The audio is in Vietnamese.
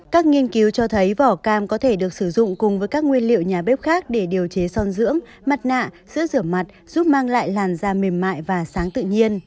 các nghiên cứu cho thấy vỏ cam có thể được sử dụng cùng với các nguyên liệu nhà bếp khác để điều chế son dưỡng mặt nạ sữa rửa mặt giúp mang lại làn da mềm mại và sáng tự nhiên